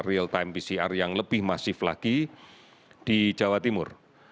real time pcr yang lebih masif lagi di jawa timur